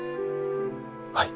はい。